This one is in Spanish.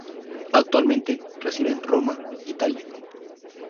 Actualmente reside en Roma, Italia.